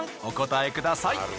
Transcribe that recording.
お答えください。